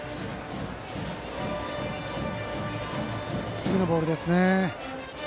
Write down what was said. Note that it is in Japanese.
次のボールですね。